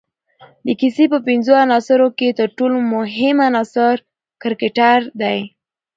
د کیسې په پنځو عناصروکښي ترټولو مهم عناصر کرکټر دئ.